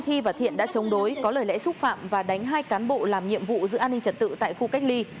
khi và thiện đã chống đối có lời lẽ xúc phạm và đánh hai cán bộ làm nhiệm vụ giữ an ninh trật tự tại khu cách ly